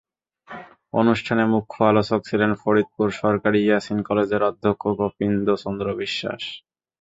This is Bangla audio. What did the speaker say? অনুষ্ঠানে মুখ্য আলোচক ছিলেন ফরিদপুর সরকারি ইয়াছিন কলেজের অধ্যক্ষ গোবিন্দ চন্দ্র বিশ্বাস।